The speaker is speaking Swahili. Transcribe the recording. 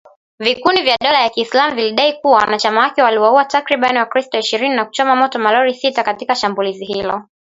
Vikundi vya dola ya kiislamu vilidai kuwa wanachama wake waliwauwa takribani wakristo ishirini na kuchoma moto malori sita katika shambulizi hilo